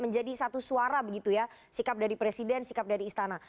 menjadi satu suara begitu ya sikap dari presiden sikap dari istana